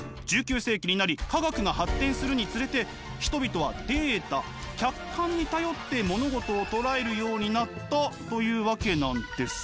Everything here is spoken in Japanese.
１９世紀になり科学が発展するにつれて人々はデータ客観に頼って物事をとらえるようになったというわけなんです。